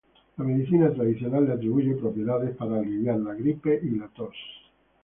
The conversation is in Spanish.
La medicina tradicional le atribuye propiedades para aliviar la gripe y la tos.